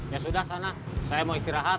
ya sudah sana saya mau istirahat